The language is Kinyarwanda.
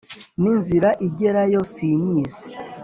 N'inzira igerayo sinyizi